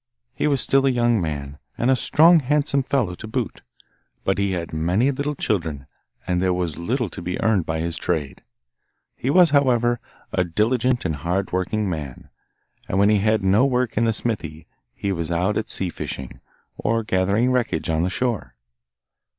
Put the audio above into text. He was still a young man, and a strong handsome fellow to boot, but he had many little children and there was little to be earned by his trade. He was, however, a diligent and hard working man, and when he had no work in the smithy he was out at sea fishing, or gathering wreckage on the shore.